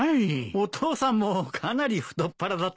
お父さんもかなり太っ腹だと思うよ。